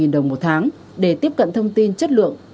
ba mươi đồng một tháng để tiếp cận thông tin chất lượng